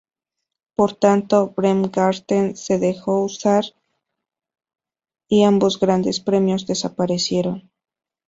Por tanto, Bremgarten se dejó de usar y ambos grandes premios desaparecieron.